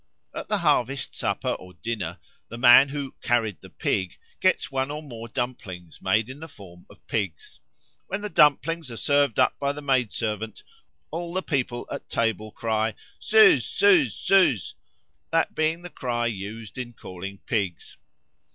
At the harvest supper or dinner the man who "carried the Pig" gets one or more dumplings made in the form of pigs. When the dumplings are served up by the maidservant, all the people at table cry "Süz, süz, süz !" that being the cry used in calling pigs.